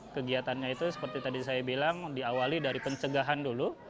kegiatannya itu seperti tadi saya bilang diawali dari pencegahan dulu